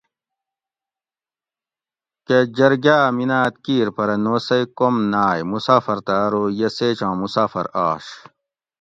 کہ جرگاۤ منات کیر پرہ نوسئی کوم نائے مسافر تہ ارو یہ سیچاں مسافر آش